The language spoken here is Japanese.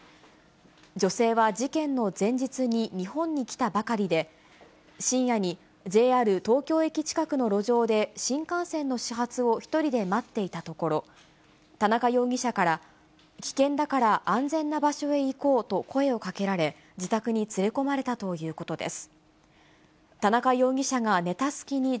女性は事件の前日に日本に来たばかりで、深夜に、ＪＲ東京駅近くの路上で新幹線の始発を１人で待っていたところ、田中容疑者から、危険だから安全な場所へ行こうと声をかけられ、自宅に連れ込まれたということです。